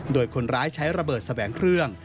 โดยคนร้ายใช้ระเบิดแสวงเครื่อง